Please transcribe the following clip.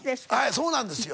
そうなんですよ。